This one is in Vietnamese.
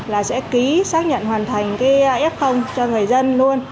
là sẽ ký xác nhận hoàn thành cái f cho người dân luôn